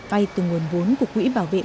vay từ nguồn vốn của quỹ bảo vệ